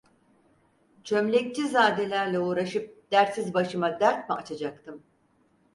Çömlekçizadelerle uğraşıp dertsiz başıma dert mi açacaktım?